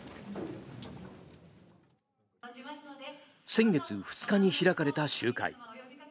先月２日に開かれた集会。